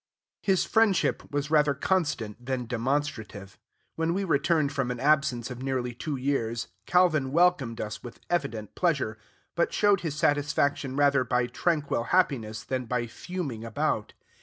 His friendship was rather constant than demonstrative. When we returned from an absence of nearly two years, Calvin welcomed us with evident pleasure, but showed his satisfaction rather by tranquil happiness than by fuming about.